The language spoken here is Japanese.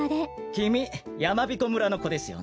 きみやまびこ村のこですよね。